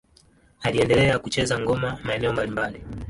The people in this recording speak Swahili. Aliendelea kucheza ngoma maeneo mbalimbali.